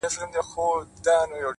پاچا صاحبه خالي سوئ ـ له جلاله یې ـ